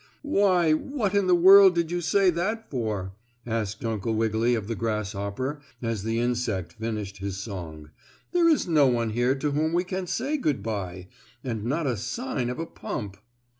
"Why, what in the world did you say that for?" asked Uncle Wiggily of the grasshopper as the insect finished his song. "There is no one here to whom we can say good by, and not a sign of a pump."